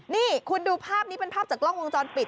นี่คุณดูภาพนี้เป็นภาพจากกล้องวงจรปิด